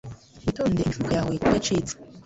Witondere imifuka yawe kuko yacitse.